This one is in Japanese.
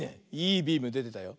いいビームでてたよ。